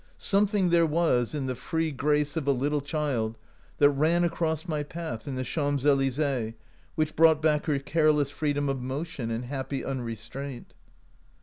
Something there was in the free grace of a little child that ran across my path in the Champs Elysees which brought back her careless freedom of motion and happy unrestraint.